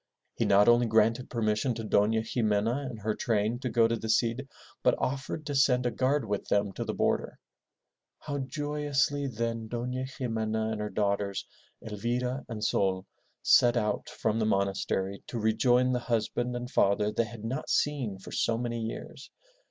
He not only granted permission to Dona Ximena and her train to go to the Cid, but offered to send a guard with them to the border. How joyously then Dofia Ximena and her daughters, Elvira and Sol, set out from the monastery to rejoin the husband and father they had not seen for so many years.